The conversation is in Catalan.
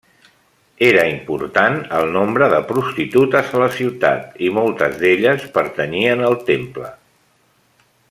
Era important el nombre de prostitutes a la ciutat i moltes d'elles pertanyien al temple.